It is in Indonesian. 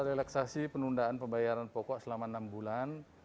relaksasi penundaan pembayaran pokok selama enam bulan